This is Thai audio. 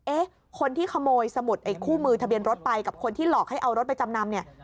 เอ๊ะคนที่ขโมยสมุดไอ้คู่มือทะเบียนรถไปกับคนที่หลอกให้เอารถไปจำนำเนี่ย